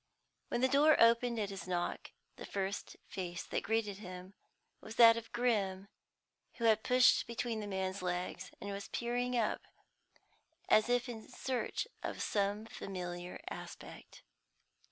When the door opened at his knock, the first face that greeted him was that of Grim, who had pushed between the man's legs and was peering up, as if in search of some familiar aspect.